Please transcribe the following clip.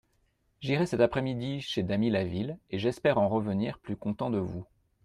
J'irai cette après-midi chez Damilaville, et j'espère en revenir plus content de vous.